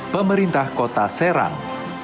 pemerintah kota serang